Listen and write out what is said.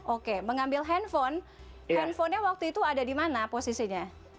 oke mengambil handphone handphonenya waktu itu ada di mana posisinya